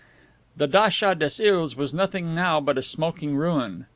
The datcha des Iles was nothing now but a smoking ruin.